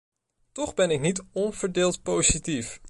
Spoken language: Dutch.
Toch ben ik niet onverdeeld positief.